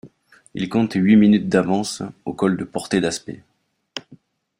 Ils comptent huit minutes d'avance au col de Portet-d'Aspet.